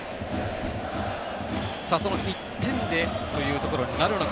その１点でというところになるのか。